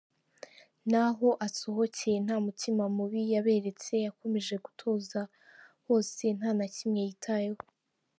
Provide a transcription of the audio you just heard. N’aho asohokeye nta mutima mubi yaberetse, yakomeje gutoza bose nta na kimwe yitayeho.